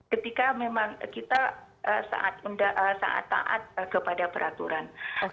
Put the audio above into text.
ketika memang kita saat taat kepada peraturan